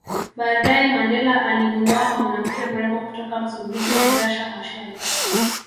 Baadaye Mandela alimuoa mwanawake mrembo kutoka Msumbiji Graca Machel